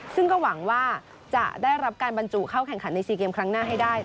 ซึ่งก็หวังว่าจะได้รับการบรรจุเข้าแข่งขันใน๔เกมครั้งหน้าให้ได้